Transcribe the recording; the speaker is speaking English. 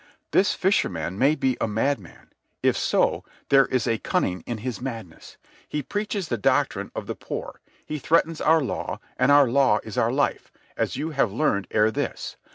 "This fisherman may be a madman. If so, there is a cunning in his madness. He preaches the doctrine of the poor. He threatens our law, and our law is our life, as you have learned ere this.